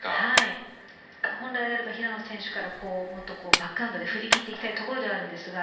本来であれば平野選手からもっとバックハンドで振り切っていきたいところですが